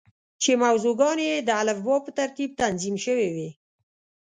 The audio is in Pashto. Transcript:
چې موضوع ګانې یې د الفبا په ترتیب تنظیم شوې وې.